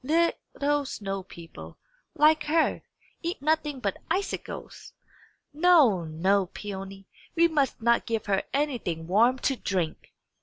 Little snow people, like her, eat nothing but icicles. No, no, Peony; we must not give her anything warm to drink!"